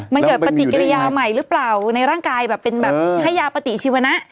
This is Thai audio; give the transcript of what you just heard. มันเกิดปฏิกิริยาใหม่หรือเปล่าในร่างกายแบบเป็นแบบให้ยาปฏิชีวนะ